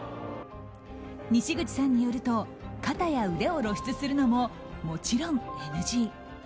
にしぐちさんによると肩や腕を露出するのももちろんＮＧ。